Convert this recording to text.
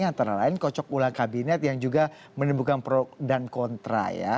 antara lain kocok ulah kabinet yang juga menembukan produk dan kontra ya